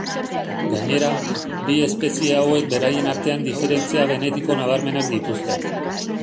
Gainera, bi espezie hauek beraien artean diferentzia genetiko nabarmenak dituzte.